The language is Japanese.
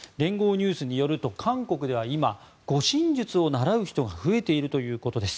ニュースによると韓国では今護身術を習う人が増えているということです。